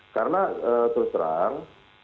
karena terus terang